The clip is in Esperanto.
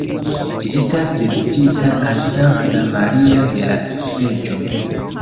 Ĝi estas dediĉita al Sankta Maria de la Seĝo.